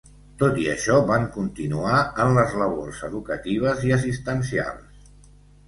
Tot i això van continuar en les labors educatives i assistencials.